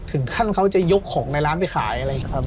ถึงขั้นเขาจะยกของในร้านไปขายอะไรอย่างนี้